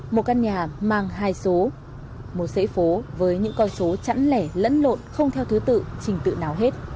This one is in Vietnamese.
một căn nhà mang hai số một dãy phố với những con số chẵn lẻ lẫn lộn không theo thứ tự trình tự nào hết